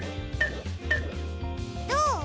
どう？